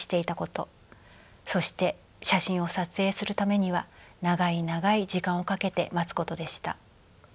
そして写真を撮影するためには長い長い時間をかけて待つことでした。